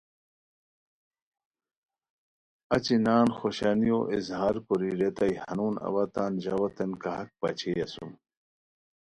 اچی نان خوشانیو اظہار کوری ریتائے ہنون اوا تان ژاؤتین کاہک پاچئے اسوم